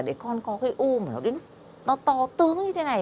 để con có cái u mà nó to tướng như thế này